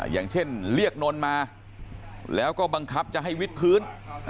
อย่างเช่นเรียกนนมาแล้วก็บังคับจะให้วิทพื้น